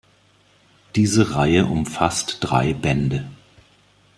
Diese Reihe umfasst drei Bände.